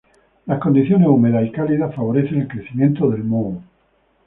Las condiciones húmedas y cálidas favorecen el crecimiento del moho.